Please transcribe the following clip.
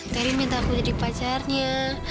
tadi minta aku jadi pacarnya